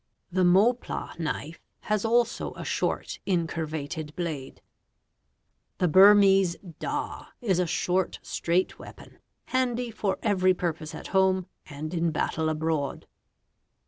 The moplah knife has also a short mean va blade. The Burmese dah is a short, straight weapon, handy for '{ purpose at home and in battle abroad.